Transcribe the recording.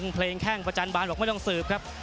เพลงแข้งประจันบาลบอกไม่ต้องสืบครับ